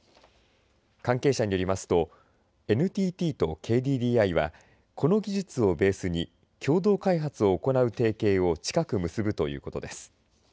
関係者によりますとＮＴＴとＫＤＤＩはこの技術をベースに共同開発を行う提携を近く結ぶということです。